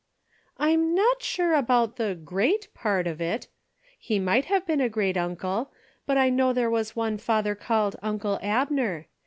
" I'm not sure about the ' great ' part of it. He might have been a great uncle, but I know there was one father called uncle Abner.